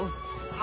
あ！